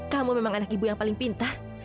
kamu memang anak ibu yang paling pintar